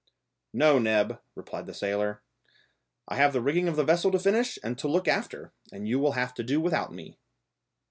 "No, Neb," replied the sailor; "I have the rigging of the vessel to finish and to look after, and you will have to do without me."